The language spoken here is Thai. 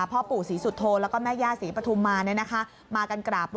พ่อปู่ศรีสุทธโทแล้วก็แม่ย่าศรีปฐุมมา